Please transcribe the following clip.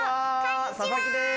佐々木です。